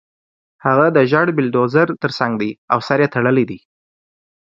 هغه د زېړ بلډیزور ترڅنګ دی او سر یې تړلی دی